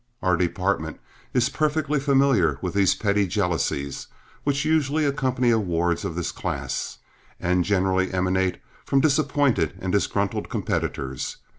Our department is perfectly familiar with these petty jealousies, which usually accompany awards of this class, and generally emanate from disappointed and disgruntled competitors.